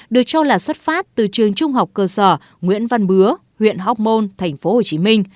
được cho là xuất phát từ trường trung học cơ sở nguyễn văn bứa huyện hóc môn tp hcm